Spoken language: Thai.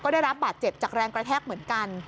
ได้รับบาดเจ็บจากแรงกระแทกเหมือนกัน